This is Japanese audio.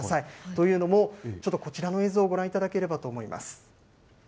というのも、ちょっとこちらの映像をご覧いただければと思います。